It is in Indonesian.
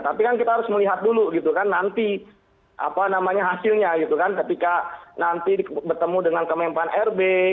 tapi kan kita harus melihat dulu gitu kan nanti apa namanya hasilnya gitu kan ketika nanti bertemu dengan kemenpan rb